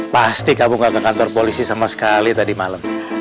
pasti kamu gak ke kantor polisi sama sekali tadi malam